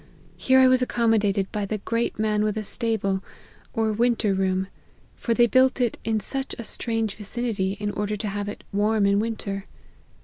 Here I was accommo dated by the great man with a stable, or winter room ; for they build it in such a strange vicinity, in order to have it warm in winter.